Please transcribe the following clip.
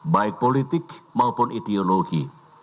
baik politik maupun ideologi